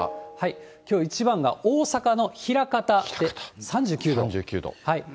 きょう一番が大阪の枚方で３９度。